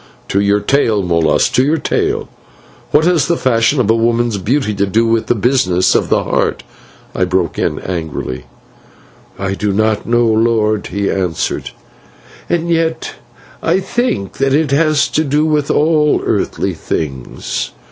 "To your tale, Molas, to your tale. What has the fashion of a woman's beauty to do with the business of the Heart?" I broke in, angrily. "I do not know, lord," he answered; "and yet I think that it has to do with all earthly things."